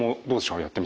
やってみて。